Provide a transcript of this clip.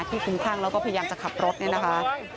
คุ้มคลั่งแล้วก็พยายามจะขับรถเนี่ยนะคะ